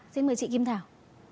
xin mời chị kim thảo